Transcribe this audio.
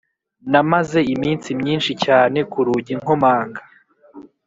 Namaze iminsi myinshi cyane kurugi nkomanga